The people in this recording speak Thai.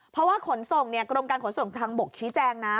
เพราะว่าขนส่งกรมการขนส่งทางบกชี้แจงนะ